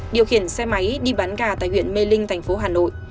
điều khiển xe máy đi bán gà tại huyện mê linh thành phố hà nội